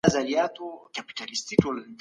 تاسو به د خپلي کورنۍ سره ښه وخت تیروئ.